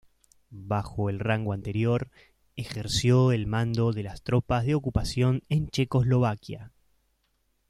Bajo el rango anterior ejerció el mando de las Tropas de ocupación en Checoslovaquia.